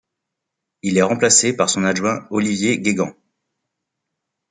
Il est remplacé par son adjoint Olivier Guégan.